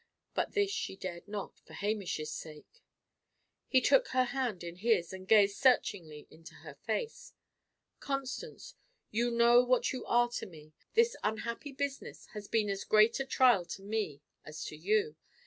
But this she dare not, for Hamish's sake. He took her hand in his, and gazed searchingly into her face. "Constance, you know what you are to me. This unhappy business has been as great a trial to me as to you.